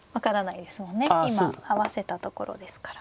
今合わせたところですから。